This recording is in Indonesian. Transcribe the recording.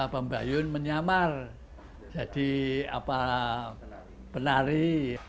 pembayun menyamar jadi penari